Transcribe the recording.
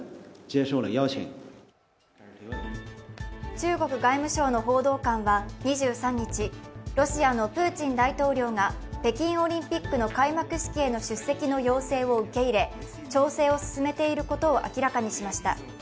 中国外務省の報道官は２３日、ロシアのプーチン大統領が北京オリンピックの開幕式への出席の要請を受け入れ調整を進めていることを明らかにしました。